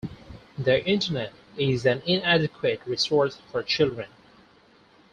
The internet is an inadequate resource for children.